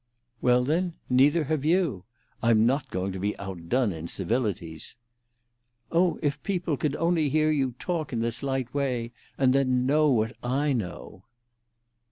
"Well, then, neither have you. I'm not going to be outdone in civilities." "Oh, if people could only hear you talk in this light way, and then know what I know!"